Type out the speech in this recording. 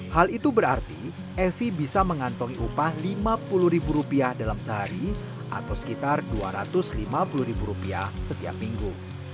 hal itu berarti evi bisa mengantongi upah lima puluh dalam sehari atau sekitar dua ratus lima puluh setiap minggu